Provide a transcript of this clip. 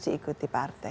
harus diikuti partai